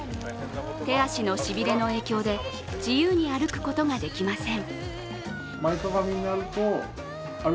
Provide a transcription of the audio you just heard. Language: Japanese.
手足のしびれの影響で自由に歩くことができません。